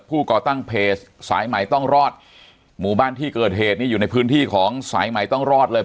ก่อตั้งเพจสายใหม่ต้องรอดหมู่บ้านที่เกิดเหตุนี่อยู่ในพื้นที่ของสายใหม่ต้องรอดเลย